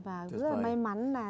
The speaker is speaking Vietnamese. và rất là may mắn là